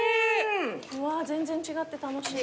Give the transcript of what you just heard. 全然違って楽しい。